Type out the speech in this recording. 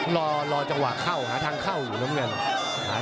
รอรอจังหวะเข้าหาทางเข้า